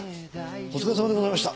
お疲れさまでございました。